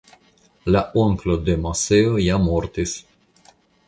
La onklo de Moseo ja mortis.